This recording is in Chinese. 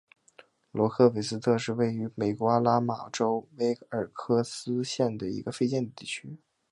罗克韦斯特是位于美国阿拉巴马州威尔科克斯县的一个非建制地区。